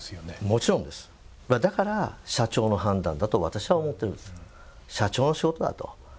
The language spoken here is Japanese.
もちろんです、だから、社長の判断だと私は思っているんです。